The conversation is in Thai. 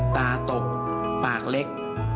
ตาตกปากเล็ก